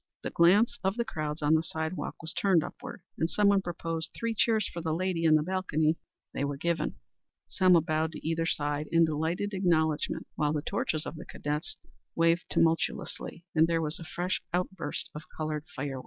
The glance of the crowds on the sidewalk was turned upward, and someone proposed three cheers for the lady in the balcony. They were given. Selma bowed to either side in delighted acknowledgment, while the torches of the cadets waved tumultuously, and there was a fresh outburst of colored fires.